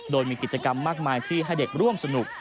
โดยมีกิจกรรมมากมายที่ให้เด็กร่วมสนุก